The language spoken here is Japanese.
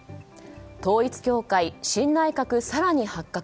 統一教会、新内閣、更に発覚。